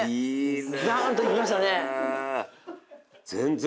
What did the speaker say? ザンッといきましたね。